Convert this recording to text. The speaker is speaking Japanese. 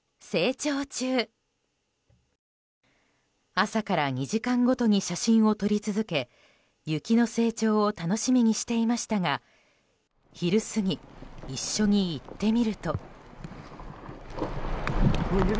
朝から２時間ごとに写真を撮り続け雪の成長を楽しみにしていましたが昼過ぎ、一緒に行ってみると。